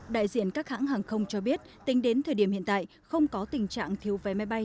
đại diện các hãng hàng không cho biết tính đến thời điểm hiện tại không có tình trạng thiếu vé máy bay